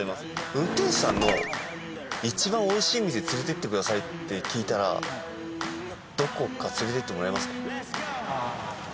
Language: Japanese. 運転手さんの一番美味しい店連れてってくださいって聞いたらどこか連れてってもらえますか？